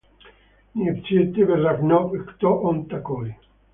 Не все тебе равно, кто он такой?